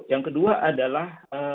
yang kedua adalah